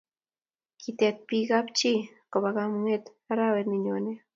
Kitet biikab kapchi koba kamung'et arawet ne nyone